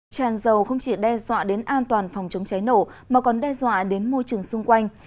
tràn dầu không chỉ đe dọa đến an toàn phòng chống cháy nổ mà còn đe dọa đến môi trường xung quanh